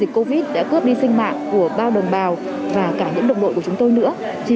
đại dịch covid đã cướp đi sinh mạng của bao đồng bào và cả những đồng đội